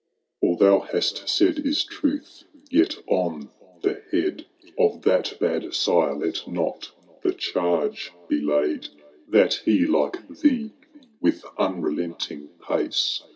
« All thou hast said is truth— Yet on the head Of that bad sire let not the duuge be laid, Tliat he, like thee, with unrelenting pace.